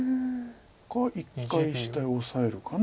か一回下へオサえるか。